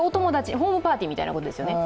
ホームパーティーみたいなことですよね。